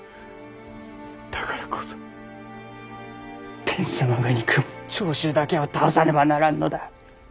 だからこそ天子様の憎む長州だけは倒さねばならぬのだ！